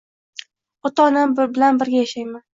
Ota-onam bilan birga yashayman.